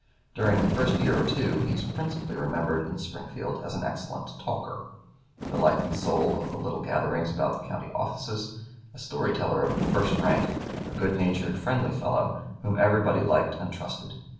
During the first year or two he is principally remembered in Springfield as an excellent talker, the life and soul of the little gatherings about the county offices, a story teller of the first rank, a good natured, friendly fellow whom everybody liked and trusted.